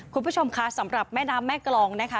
คุณผู้ชมค่ะสำหรับแม่น้ำแม่กรองนะคะ